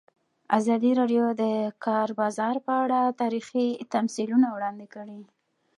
ازادي راډیو د د کار بازار په اړه تاریخي تمثیلونه وړاندې کړي.